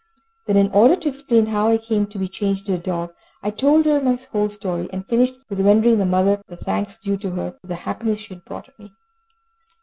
Then, in order to explain how I came to be changed into a dog, I told her my whole story, and finished with rendering the mother the thanks due to her for the happiness she had brought me.